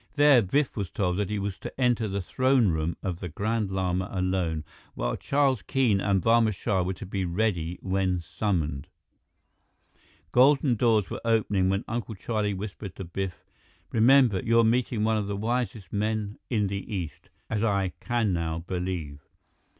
There, Biff was told that he was to enter the throne room of the Grand Lama alone, while Charles Keene and Barma Shah were to be ready when summoned. Golden doors were opening when Uncle Charlie whispered to Biff, "Remember, you're meeting one of the wisest men in the East, as I can now believe.